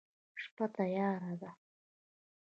شپه تیاره ده